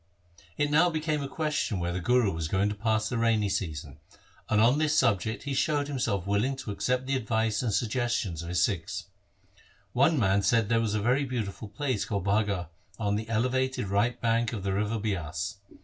It now became a question where the Guru was going to pass the rainy season, and on this subject he showed himself willing to accept the advice and suggestions of his Sikhs. One man said that there was a very beautiful place called Bagha on the elevated right bank of the river Bias.